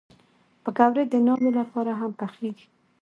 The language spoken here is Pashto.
پکورې د ناوې لپاره هم پخېږي